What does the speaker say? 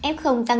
f tăng nhiễm